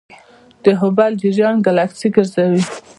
د هبل جریان ګلکسي ګرځوي.